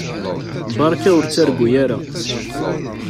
Beṛka ur ttargu ara.